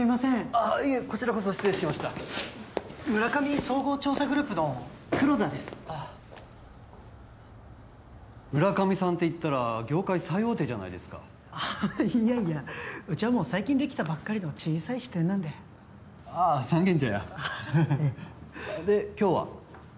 ああいえこちらこそ失礼しましたムラカミ総合調査グループの黒田ですあっムラカミさんっていったら業界最大手じゃないですかいやいやうちはもう最近できたばっかりの小さい支店なんでああ三軒茶屋ええで今日は？